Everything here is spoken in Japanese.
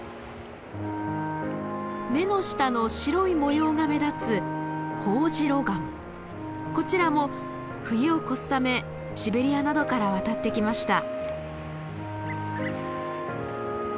目の下の白い模様が目立つこちらも冬を越すためシベリアなどから渡ってきました。